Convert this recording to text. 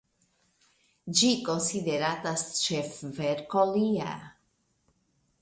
Ĝi konsideratas ĉefverko lia.